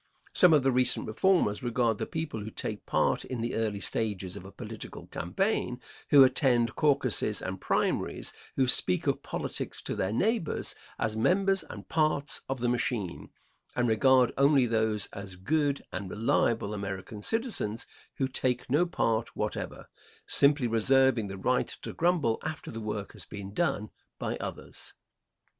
Some of the recent reformers regard the people who take part in the early stages of a political campaign who attend caucuses and primaries, who speak of politics to their neighbors, as members and parts of the machine, and regard only those as good and reliable American citizens who take no part whatever, simply reserving the right to grumble after the work has been done by others.